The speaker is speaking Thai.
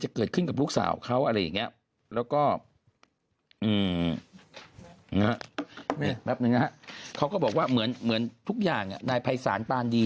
จะเกิดขึ้นกับลูกสาวเขาอะไรอย่างนี้แล้วก็แป๊บหนึ่งนะเขาก็บอกว่าเหมือนเหมือนทุกอย่างในภัยสารตาลดี